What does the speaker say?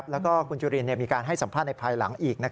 แล้วก็คุณจุลินมีการให้สัมภาษณ์ในภายหลังอีก